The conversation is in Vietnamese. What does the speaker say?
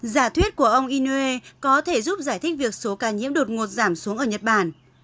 giả thuyết của ông inue có thể giúp giải thích việc số ca nhiễm đột ngột giảm xuống ở nhật bản